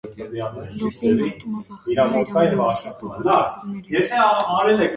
Լուպինն ատում և վախենում է իր ամենամսյա փոխակերպումներից։